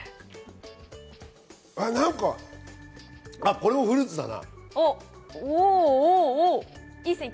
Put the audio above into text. これもフルーツだな。